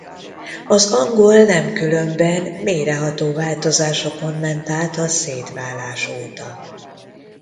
Az angol nemkülönben mélyreható változásokon ment át a szétválás óta.